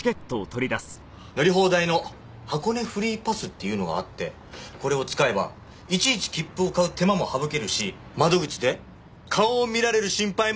乗り放題の箱根フリーパスっていうのがあってこれを使えばいちいち切符を買う手間も省けるし窓口で顔を見られる心配もないんです！